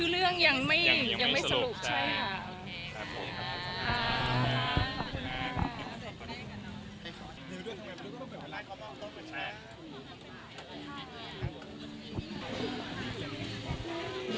เรื่องอะไรคะ